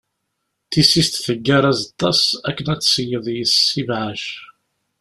Tisist teggar azeṭṭa-s akken ad d-tseyyeḍ yess ibɛac.